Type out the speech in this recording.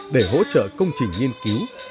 để hỗ trợ công trình nghiên cứu